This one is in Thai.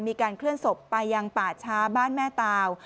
มีการเคลื่อนศพไปยังป่าช้าบ้านแม่ตาว